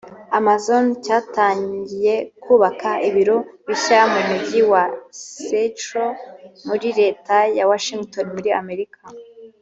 Amazon cyatangiye kubaka ibiro bishya mu mujyi wa Seattle muri Leta ya Washington muri Amerika